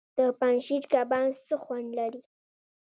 د پنجشیر کبان څه خوند لري؟